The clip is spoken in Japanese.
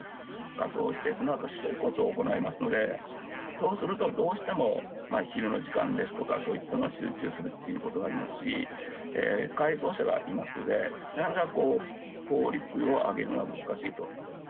火葬して、そのあと収骨を行いますので、そうすると、どうしても昼の時間ですとか、そういったのに集中するってことがありますし、会葬者がいますので、なかなか効率を上げるのは難しいと。